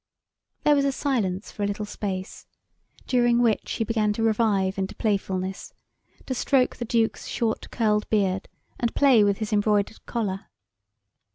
There was a silence for a little space, during which he began to revive into playfulness, to stroke the Duke's short curled beard, and play with his embroidered collar.